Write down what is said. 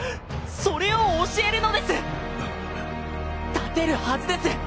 それを教えるのですあっ立てるはずです。